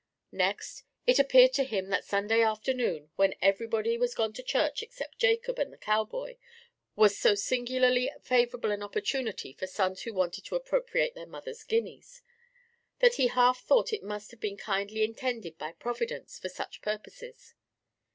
Next, it appeared to him that Sunday afternoon, when everybody was gone to church except Jacob and the cowboy, was so singularly favourable an opportunity for sons who wanted to appropriate their mothers' guineas, that he half thought it must have been kindly intended by Providence for such purposes.